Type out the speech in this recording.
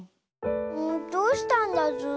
どうしたんだズー？